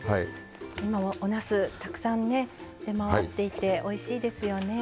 たくさんね出回っていておいしいですよね。